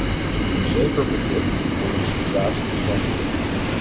Een zeker begrip voor hun situatie is wenselijk.